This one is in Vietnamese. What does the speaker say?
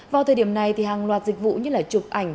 vào thời điểm này thì hàng loạt dịch vụ như là chụp ảnh